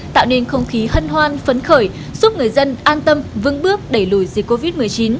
tạo nên không khí hân hoan phấn khởi giúp người dân an tâm vương bước đẩy lùi dịch covid một mươi chín